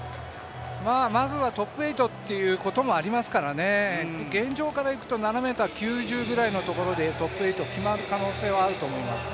まずはトップ８ということはありますから現状からいくと７ｍ９０ぐらいのところでトップ８が決まる可能性があります。